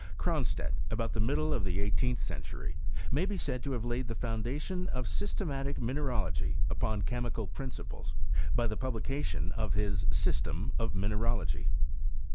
Cronstedt, about the middle of the eighteenth century, may be said to have laid the foundation of systematic mi PROGRESS OF CHEMISTRY IN SWEDEN. neralogy upon chemical principles, by the publica tion of his System of Mineralogy.